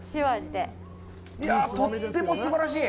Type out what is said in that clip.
とってもすばらしい。